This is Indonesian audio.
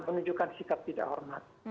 penunjukkan sikap tidak hormat